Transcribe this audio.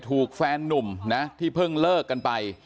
แม่ขี้หมาเนี่ยเธอดีเนี่ยเธอดีเนี่ยเธอดีเนี่ย